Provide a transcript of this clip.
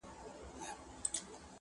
زه کرمه سره ګلاب ازغي هم ور سره شنه سي,